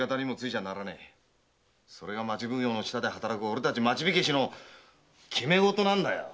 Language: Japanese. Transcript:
それが町奉行の下で働く俺たち町火消しの決め事なんだ。